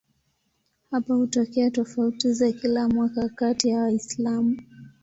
Hapa hutokea tofauti za kila mwaka kati ya Waislamu.